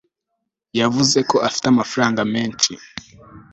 yavuze ko afite amafaranga menshi